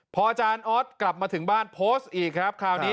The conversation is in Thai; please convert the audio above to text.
พออาจารย์ออสกลับมาถึงบ้านโพสต์อีกครับคราวนี้